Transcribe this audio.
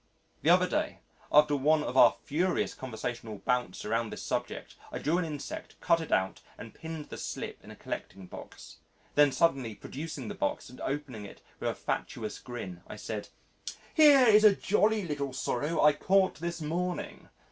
The other day after one of our furious conversational bouts around this subject, I drew an insect, cut it out, and pinned the slip in a collecting box. Then suddenly producing the box, and opening it with a facetious grin, I said, "Here is a jolly little sorrow I caught this morning."